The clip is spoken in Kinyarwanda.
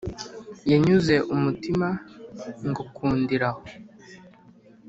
wanyuze umutima ngukundira aho